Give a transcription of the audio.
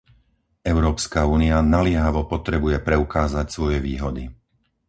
Európska únia naliehavo potrebuje preukázať svoje výhody.